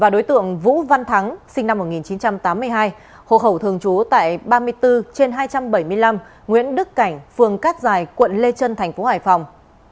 đối tượng vũ văn thắng sinh năm một nghìn chín trăm tám mươi hai hộ khẩu thường trú tại ba mươi bốn trên hai trăm bảy mươi năm nguyễn đức cảnh phường cát dài quận lê trân thành phố hải phòng